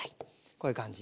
こういう感じ。